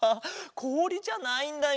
こおりじゃないんだよ。